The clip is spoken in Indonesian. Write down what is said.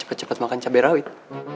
cepet cepet makan cabai rawit